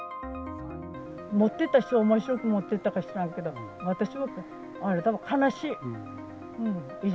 持ってった人はおもしろく持ってったか知らんけど、私は悲しい。